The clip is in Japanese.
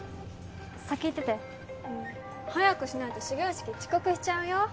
先行っててうん早くしないと始業式遅刻しちゃうよ